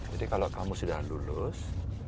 jadi kalau kamu sudah lulus